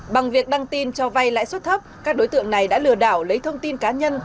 bằng việc đăng tin cho vay lãi suất thấp các đối tượng này đã lừa đảo lấy thông tin cá nhân